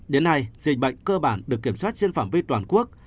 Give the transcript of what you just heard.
đến nay dịch bệnh cơ bản được kiểm soát trên phạm vi toàn quốc